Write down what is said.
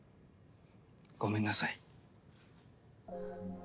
ごめんなさい。